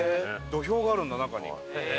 土俵があるんだ中に。